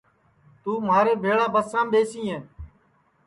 توں مھارے بھیݪا بسام ٻیسیں